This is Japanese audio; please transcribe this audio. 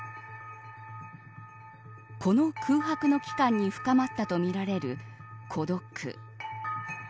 この空白の期間に深まったとみられる孤独。